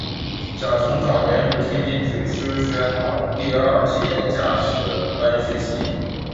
蒋拯早年入天津水师学堂第二届驾驶班学习。